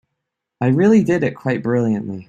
I really did it quite brilliantly.